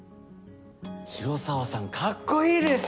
広沢さんかっこいいです。